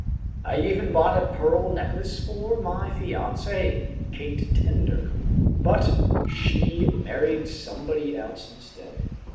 I even bought a pearl necklace for my fiancée, Kate Tender, but she married somebody else instead.